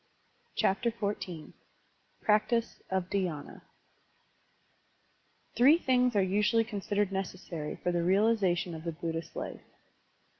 Digitized by Google PRACTICE OF DHYANA THREE things are usually considered neces sary for the realization of the Buddhist Ufe: I.